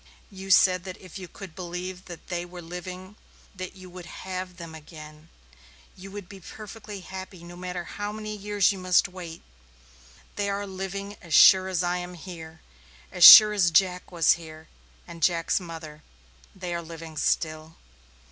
You said that if you could believe that they were living, that you would have them again, you would be perfectly happy no matter how many years you must wait. They are living as sure as I am here, and as sure as Jack was here, and Jack's mother. They are living still.